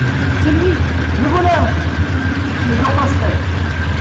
C’est lui !… le voleur !… mais je le repincerai !